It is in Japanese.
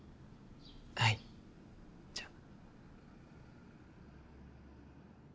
はいじゃあ。